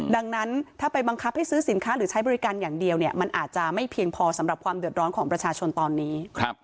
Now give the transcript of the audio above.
ดังนั้นถ้าไปบังคับให้ซื้อสินค้าหรือใช้บริการอย่างเดียวเนี่ยมันอาจจะไม่เพียงพอสำหรับความเดือดร้อนของประชาชนตอนนี้